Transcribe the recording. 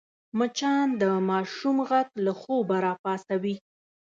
مچان د ماشوم غږ له خوبه راپاڅوي